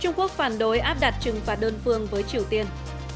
trung quốc phản đối áp đặt trừng phạt đơn phương với triều tiên